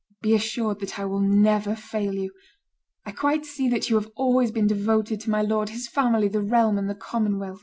Be assured that I will never fail you. I quite see that you have always been devoted to my lord, his family, the realm, and the common weal."